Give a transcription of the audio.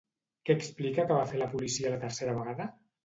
Què explica que va fer la policia la tercera vegada?